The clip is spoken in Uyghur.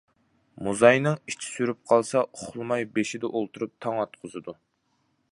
موزاينىڭ ئىچى سۈرۈپ قالسا ئۇخلىماي بېشىدا ئولتۇرۇپ تاڭ ئاتقۇزىدۇ.